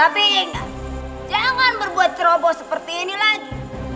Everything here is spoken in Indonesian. tapi ingat jangan berbuat ceroboh seperti ini lagi